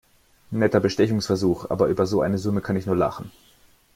Netter Bestechungsversuch, aber über so eine Summe kann ich nur lachen.